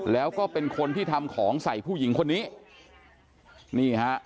แล้วก็เป็นคนที่ทำของใส่ผู้หญิงคนนี้นี่ฮะ